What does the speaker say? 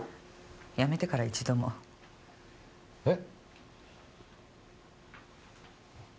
辞めてから一度も。え？